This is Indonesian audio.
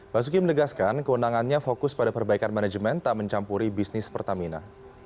basuki menegaskan kewenangannya fokus pada perbaikan manajemen tak mencampuri bisnis pertamina